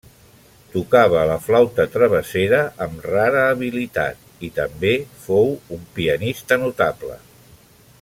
Tocava la flauta travessera amb rara habilitat, i també fou un pianista notable.